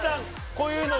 こういうの